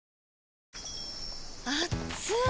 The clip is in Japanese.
あっつい！